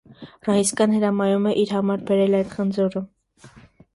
Ռաիսկան հրամայում է իր համար բերել այդ խնձորը։